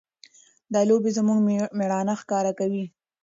دا لوبې زموږ مېړانه ښکاره کوي.